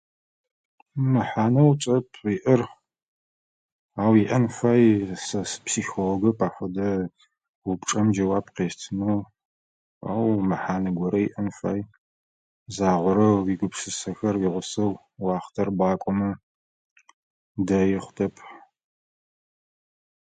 Мэхьанэу чӏэп иӏэр, ау иӏэн фай. Сэ сыпсихолэгэп а фэдэ упчӏэм джэуап къестынэу, ау мэхьанэ горэ иӏэн фай. Загъорэ уигупшысэхэр уигъусэу уахътэр бгъакӏомэ дэи хъутэп.